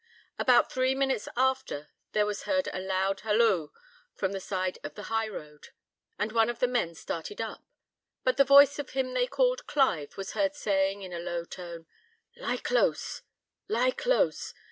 About three minutes after, there was heard a loud halloo from the side of the high road, and one of the men started up; but the voice of him they called Clive was heard saying, in a low tone, "Lie close, lie close!